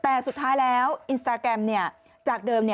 แต่สุดท้ายแล้วอินสตาแกรมจากเดิม